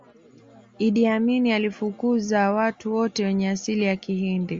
iddi amini alifukuza watu wote wenye asili ya kihindi